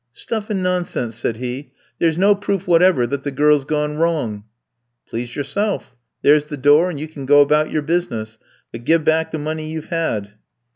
"'Stuff and nonsense,' said he, 'there's no proof whatever that the girl's gone wrong.' "'Please yourself. There's the door, and you can go about your business; but give back the money you've had!'